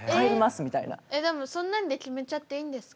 でもそんなんで決めちゃっていいんですか？